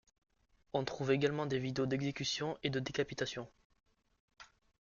On trouve également des vidéos d’exécutions et de décapitations.